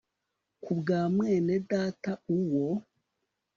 ku bwa mwene data uwo